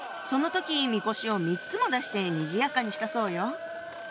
その時みこしを３つも出してにぎやかにしたそうよ。